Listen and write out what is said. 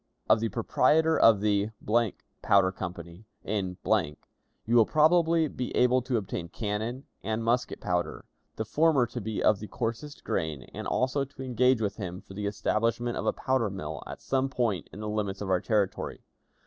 "Of the proprietor of the Powder Company, in , you will probably be able to obtain cannon and musket powder the former to be of the coarsest grain; and also to engage with him for the establishment of a powder mill at some point in the limits of our territory.